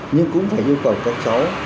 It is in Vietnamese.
nhưng cũng phải nhu cầu các cháu